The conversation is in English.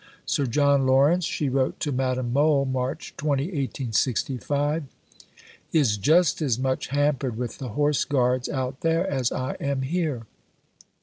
"Sir John Lawrence," she wrote to Madame Mohl (March 20, 1865), "is just as much hampered with the Horse Guards out there as I am here.